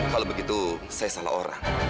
kalau begitu saya salah orang